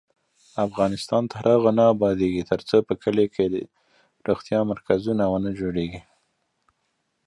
افغانستان تر هغو نه ابادیږي، ترڅو په کلیو کې د روغتیا مرکزونه ونه جوړیږي.